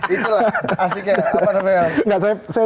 itulah asik ya